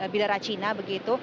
bilara cina begitu